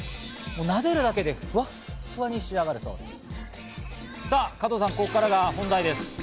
なでるだけでフワフワに仕上がるそうです。